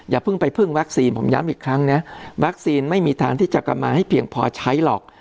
อย่าเพิ่งไปพึ่งวัคซีนผมย้ำอีกครั้งนะวัคซีนไม่มีทางที่จะกลับมาให้เพียงพอใช้หรอก